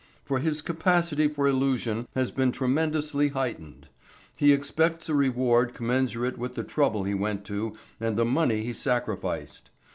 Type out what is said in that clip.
For his capacity for illusion has been tremendously heightened. He expects a reward commensurate with the trouble he went to and the money he sacrificed.